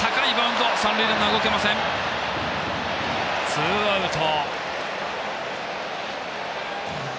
ツーアウト。